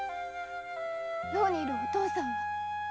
牢にいるお父さんは？